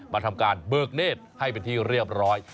ทำการเบิกเนธให้เป็นที่เรียบร้อย